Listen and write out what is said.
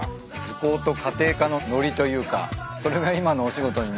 図工と家庭科のノリというかそれが今のお仕事になっている。